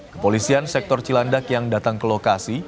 kepolisian sektor cilandak yang datang ke lokasi